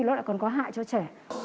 nó lại còn có hại cho trẻ